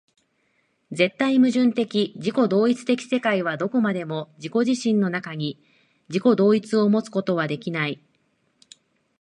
絶対矛盾的自己同一的世界はどこまでも自己自身の中に、自己同一をもつことはできない。